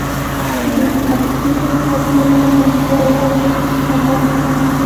دوی د عصري تشنابونو له اسانتیاوو هم برخمن دي.